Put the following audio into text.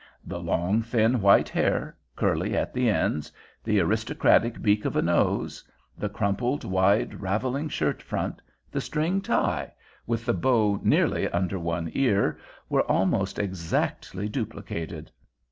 The long, thin white hair, curly at the ends, the aristocratic beak of a nose, the crumpled, wide, raveling shirt front, the string tie, with the bow nearly under one ear, were almost exactly duplicated.